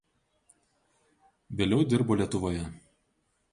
Vėliau dirbo Lietuvoje.